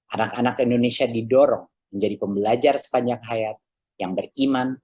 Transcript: anak anak indonesia didorong menjadi pembelajar sepanjang hayat yang beriman